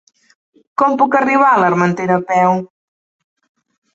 Com puc arribar a l'Armentera a peu?